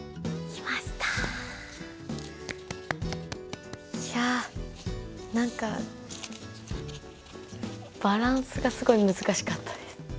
いや何かバランスがすごい難しかったです。